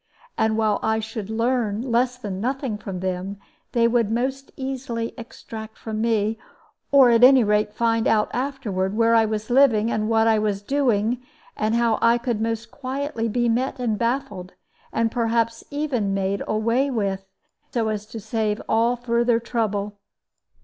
And while I should learn less than nothing from them, they would most easily extract from me, or at any rate find out afterward, where I was living, and what I was doing, and how I could most quietly be met and baffled, and perhaps even made away with, so as to save all further trouble.